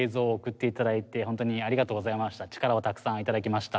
力をたくさん頂きました。